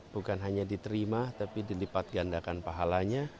bukan hanya diterima tapi dilipat gandakan pahalanya